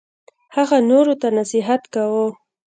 هغه نورو ته نصیحت کاوه.